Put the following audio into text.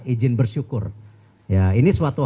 izin bersyukur ya ini suatu